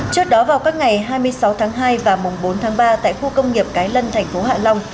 trước đó vào các ngày hai mươi sáu tháng hai và mùng bốn tháng ba tại khu công nghiệp cái lân thành phố hạ long